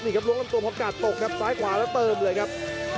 นี่ครับล้วงลำตัวพอกาดตกครับซ้ายขวาแล้วเติมเลยครับ